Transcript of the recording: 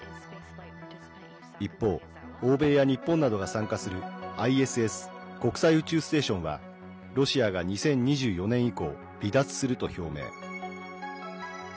一方、欧米や日本などが参加するＩＳＳ＝国際宇宙ステーションはロシアが２０２４年以降離脱すると表明。